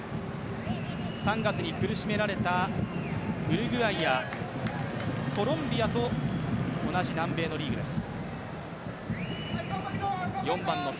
３月に苦しめられたウルグアイやコロンビアと同じ南米のリーグです。